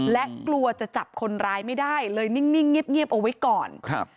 และกลัวจะจับคนร้ายไม่ได้เลยนิ่งเงียบเอาไว้ก่อนครับ